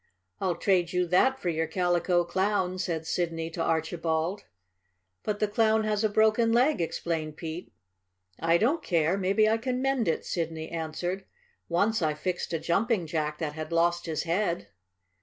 "I'll trade you that for your Calico Clown," said Sidney to Archibald. "But the Clown has a broken leg," explained Pete. "I don't care. Maybe I can mend it," Sidney answered. "Once I fixed a Jumping Jack that had lost his head."